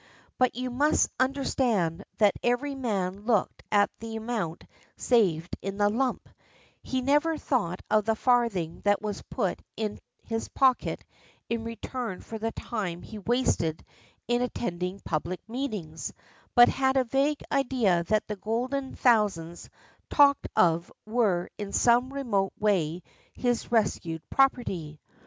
But you must understand that every man looked at the amount saved in the lump; he never thought of the farthing that was put in his pocket in return for the time he wasted in attending public meetings, but had a vague idea that the golden thousands talked of were in some remote way his rescued property.